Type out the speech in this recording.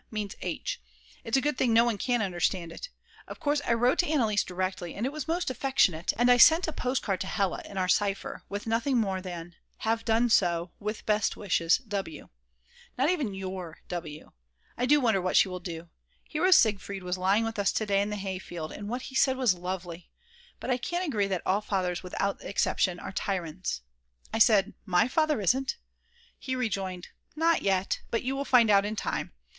means H. It's a good thing no one can understand it. Of course I wrote to Anneliese directly, and was most affectionate, and I sent a postcard to Hella, in our cipher, with nothing more than: Have done so, with best wishes, W. Not even your W. I do wonder what she will do. Hero Siegfried was lying with us to day in the hayfield, and what he said was lovely. But I can't agree that all fathers without exception are tyrants. I said: "My Father isn't!" He rejoined: "Not yet, but you will find out in time.